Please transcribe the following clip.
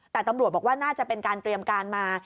แต่ตำรวจบอกว่าน่าจะเป็นการเตรียมการมา